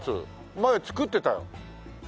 前造ってたよ。